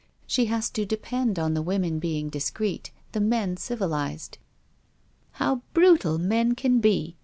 She has to depend on the women being discreet, the men civilized. 'How brutal men can be!'